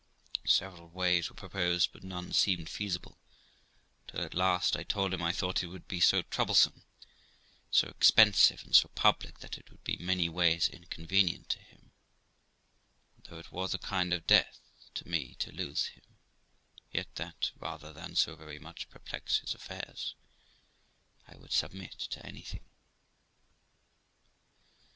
Several ways were proposed, but none seemed feasible, till at last I told him, I thought it would be so troublesome, so expensive, and so public, that it would be many ways inconvenient to him; and though it was a kind of death to me to lose him, yet that, rather than so very much perplex his affairs, I would submit to anything.